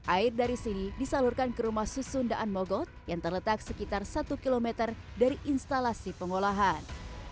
air dari sini disalurkan ke rumah susundaan mogot yang terletak sekitar satu km dari instalasi pengolahan